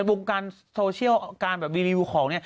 วงการโซเชียลการแบบรีวิวของเนี่ย